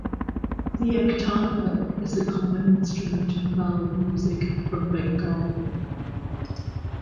The ektara is a common instrument in Baul music from Bengal.